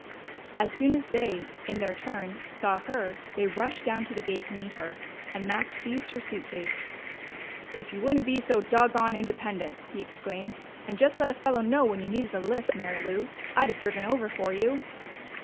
As soon as they, in their turn, saw her, they rushed down to the gate to meet her, and Max seized her suitcase. "If you wouldn't be so doggone independent," he exclaimed, "and just let a fellow know when you needed a lift, Mary Lou, I'd have driven over for you!"